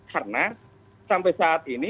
karena sampai saat ini